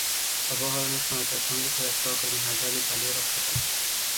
অপহরণের সময় তাঁর সঙ্গে থাকা সহকর্মী হায়দার আলী পালিয়ে রক্ষা পান।